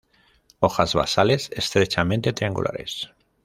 Hojas basales estrechamente triangulares.